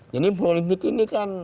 jadi politik ini kan